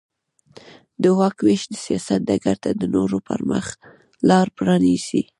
د واک وېش د سیاست ډګر ته د نورو پرمخ لار پرانېزي.